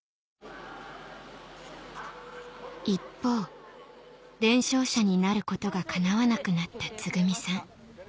一方伝承者になることがかなわなくなったつぐみさん